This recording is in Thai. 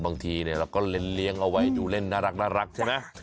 บางทีเราก็เล่นเลี้ยงเอาไว้ดูเล่นน่ารักใช่ไหม